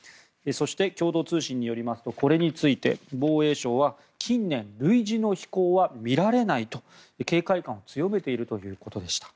そして、共同通信によりますとこれについて防衛省は近年、類似の飛行は見られないと警戒感を強めているということでした。